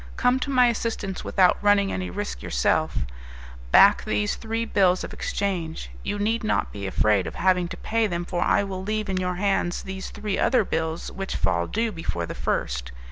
Come to my assistance without running any risk yourself; back these three bills of exchange. You need not be afraid of having to pay them, for I will leave in your hands these three other bills which fall due before the first.